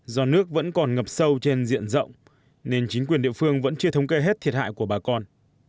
do nước vẫn còn ngập sâu trên diện rộng nên chính quyền địa phương vẫn chưa thống kê hết thiệt hại của bà con